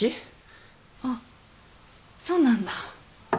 あっそうなんだ。